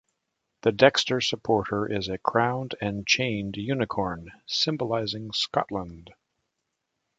The dexter supporter is a crowned and chained unicorn, symbolising Scotland.